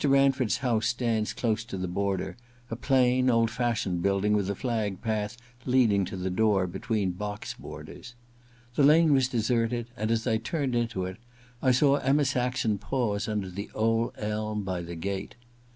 Ranford's house stands close to the road : a plain old fashioned building, with a flagged path leading to the door between box borders. The lane was deserted, and as I turned into it I saw Emma Saxon pause under the old elm by the gate.